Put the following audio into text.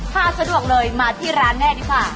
ถ้าสะดวกเลยมาที่ร้านแม่ดีกว่า